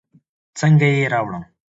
څنګه يې راوړم.